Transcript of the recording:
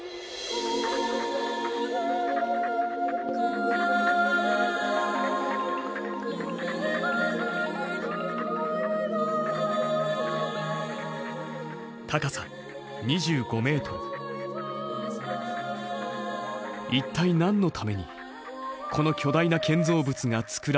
一体何のためにこの巨大な建造物が造られたのか？